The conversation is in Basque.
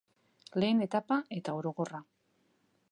Lehen etapa eta orokorra.